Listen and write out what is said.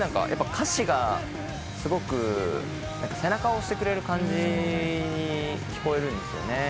歌詞がすごく背中を押してくれる感じに聞こえるんですよね。